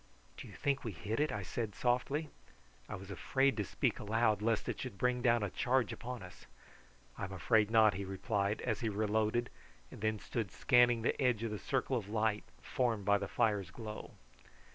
"Do you think we hit it?" I said softly. I was afraid to speak aloud lest it should bring down a charge upon us. "I'm afraid not," he replied, as he reloaded and then stood scanning the edge of the circle of light formed by the fire's glow.